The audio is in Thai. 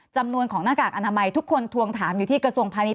จำนวนของหน้ากากอนามัยทุกคนทวงถามอยู่ที่กระทรวงพาณิช